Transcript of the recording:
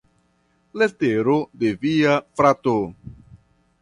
Letero de via frato.